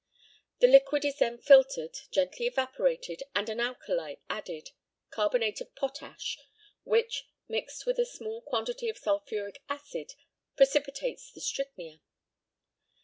The liquid is then filtered, gently evaporated, and an alkali added carbonate of potash, which, mixed with a small quantity of sulphuric acid, precipitates the strychnia.